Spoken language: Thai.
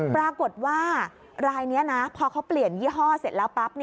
ปรากฏว่ารายนี้นะพอเขาเปลี่ยนยี่ห้อเสร็จแล้วปั๊บ